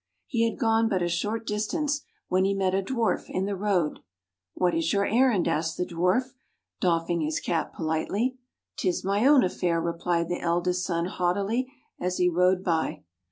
He had gone but a short distance when he met a Dwarf in the road. "What is your errand?" asked the Dwarf, doffing his cap politely. "'Tis my own affair," replied the eldest son haughtily, as he rode by.